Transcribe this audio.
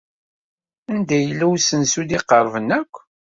Anda yella usensu ay d-iqerben akk?